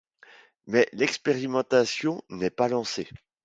Mais l'expérimentation n'est pas lancée.